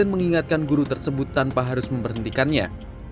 mengingatkan guru tersebut tanpa harus memperhentikannya